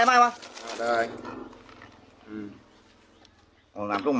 น้อยควันมามาป่ะ